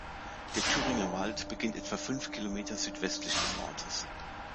Der Thüringer Wald beginnt etwa fünf Kilometer südwestlich des Ortes.